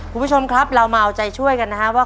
คุณผู้ชมครับเรามาเอาใจช่วยกันนะครับว่า